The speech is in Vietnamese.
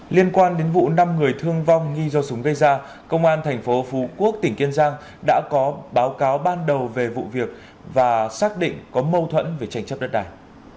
liên quan đến vụ năm người thương vong nghi do súng gây ra công an tp phú quốc tỉnh kiên giang đã có báo cáo ban đầu về vụ việc và xác định có mâu thuẫn về tranh chấp đất đài